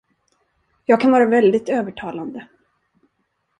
Jag kan vara väldigt övertalande.